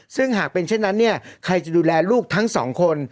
ซึ่งหากเป็นเช่นนั้นเนี่ยใครจะดูแลลูกทั้งสองคน